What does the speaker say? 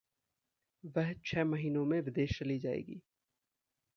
वह छः महीनों में विदेश चली जाएगी।